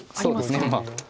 そうですねまあ。